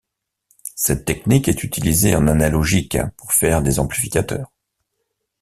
Cette technique est utilisée en analogique, pour faire des amplificateurs.